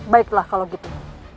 baiklah kalau gitu